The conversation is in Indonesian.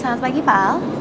selamat pagi pal